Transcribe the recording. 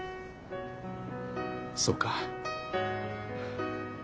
そうか。